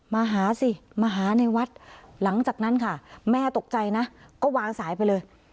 มาหาสิมาหาในวัดหลังจากนั้นค่ะแม่ตกใจนะก็วางสายไปเลย